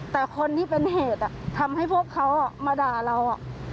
แต่คนที่เป็นเหตุทำให้พวกเขามาด่าเรา